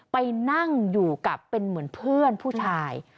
ไปนั่งอยู่กับเป็นเหมือนเพื่อนผู้ชาย